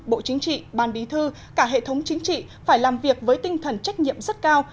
bộ chính trị ban bí thư cả hệ thống chính trị phải làm việc với tinh thần trách nhiệm rất cao